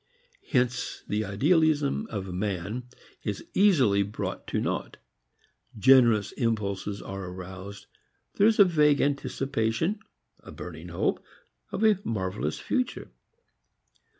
Hence the idealism of man is easily brought to naught. Generous impulses are aroused; there is a vague anticipation, a burning hope, of a marvelous future.